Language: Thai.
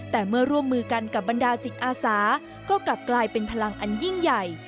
แต่เมื่อร่วมมือกันกับบรรดาจิตอาสาก็กลับกลายเป็นพลังอันยิ่งใหญ่